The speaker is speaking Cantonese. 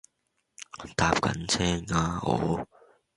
搭緊車呀我